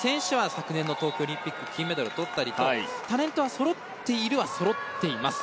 昨年の東京オリンピックで金メダルをとったりとタレントはそろっているはそろっています。